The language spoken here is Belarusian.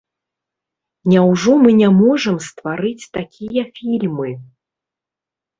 Няўжо мы не можам стварыць такія фільмы?